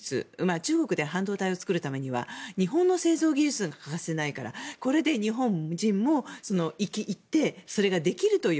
中国で半導体を作るためには日本の製造技術が欠かせないからこれで日本人も行ってそれができるという。